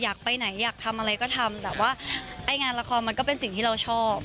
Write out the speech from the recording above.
อยากไปไหนอยากทำอะไรก็ทำแต่ว่าไอ้งานละครมันก็เป็นสิ่งที่เราชอบ